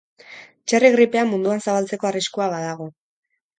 Txerri gripea munduan zabaltzeko arriskua badago.